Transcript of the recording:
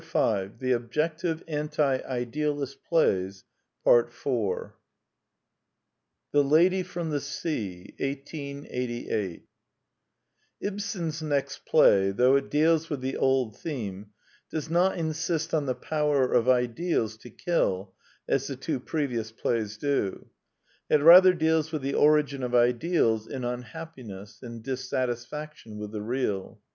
122 The Quintessence of Ibsenism The Lady from the Sea 1888 Ibsen's next play, though it deals with the old theme, does not insist on the power of ideals to kill, as the two previous plays do. It rather deals with the origin of ideals in unhappiness, in dis satisfaction with the real.